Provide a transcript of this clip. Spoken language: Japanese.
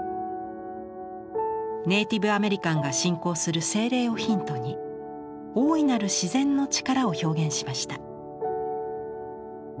ネイティブアメリカンが信仰する精霊をヒントに大いなる自然の力を表現しました。